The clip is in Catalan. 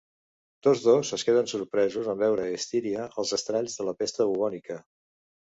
Tots dos es queden sorpresos en veure a Estíria els estralls de la pesta bubònica.